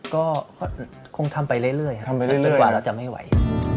ก็คงทำไปเรื่อยครับจนกว่าเราจะไม่ไหว